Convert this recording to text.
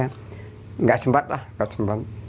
tidak sempat lah tidak sempat